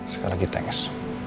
sekali lagi thanks